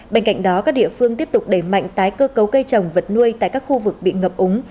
bên cạnh đó các địa phương tiếp tục đẩy mạnh tái cơ cấu cây trồng vật nuôi tại các khu vực bị ngập úng